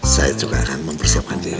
saya juga akan mempersiapkan diri